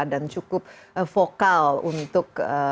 dan cukup vokal untuk